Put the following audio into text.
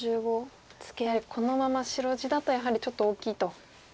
このまま白地だとやはりちょっと大きいと。